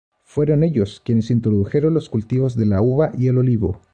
Fueron ellos quienes introdujeron los cultivos de la uva y el olivo.